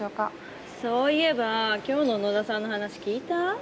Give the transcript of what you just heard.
そういえば今日の野田さんの話聞いた？